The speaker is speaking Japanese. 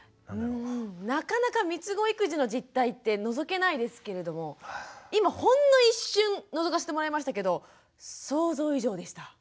なかなかみつご育児の実態ってのぞけないですけれども今ほんの一瞬のぞかせてもらいましたけど想像以上でした。